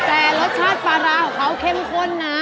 แต่รสชาติปลาร้าของเขาเข้มข้นนะ